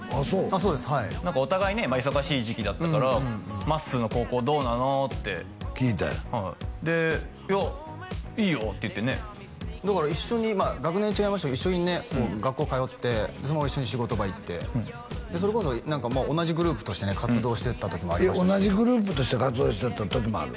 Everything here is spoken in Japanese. そうですはいお互いね忙しい時期だったからまっすーの高校どうなの？って聞いたんやはいでいや「いいよ」って言ってねだから一緒に学年は違いましたけど一緒にね学校通ってそのまま一緒に仕事場行ってそれこそ同じグループとしてね活動してた時もありましたし同じグループとして活動してた時もある？